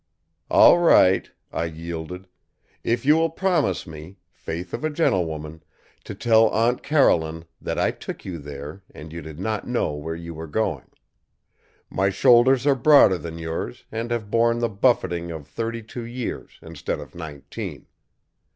"All right," I yielded. "If you will promise me, faith of a gentlewoman, to tell Aunt Caroline that I took you there and you did not know where you were going. My shoulders are broader than yours and have borne the buffeting of thirty two years instead of nineteen.